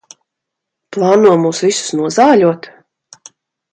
Plāno mūs visus nozāļot?